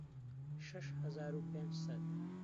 شەش هەزار و پێنج سەد